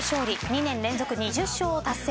２年連続２０勝を達成。